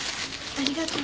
ありがとう。